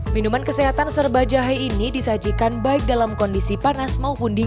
minuman kesehatan serba jahe ini disajikan baik dalam kondisi panas maupun dingin